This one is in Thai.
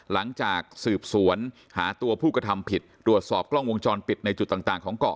หลังจากสืบสวนหาตัวผู้กระทำผิดตรวจสอบกล้องวงจรปิดในจุดต่างของเกาะ